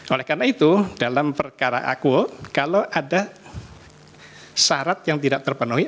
oleh karena itu dalam perkara akul kalau ada syarat yang tidak terpenuhi